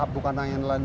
bukan hanya yang lain